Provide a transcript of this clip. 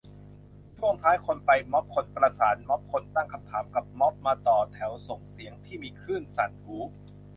ช่วงท้าย คนไปม็อบ คนประสานม็อบ คนตั้งคำถามกับม็อบ มาต่อแถวส่งเสียง ที่มีคลื่นสั่นหู